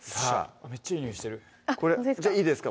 めっちゃいいにおいしてるいいですか？